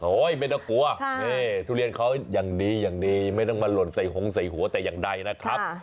ไม่ต้องกลัวนี่ทุเรียนเขาอย่างดีอย่างดีไม่ต้องมาหล่นใส่หงใส่หัวแต่อย่างใดนะครับ